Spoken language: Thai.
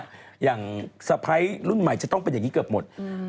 อย่างสะพ้ายรุ่นใหม่จะต้องเป็นอย่างนี้เกือบหมด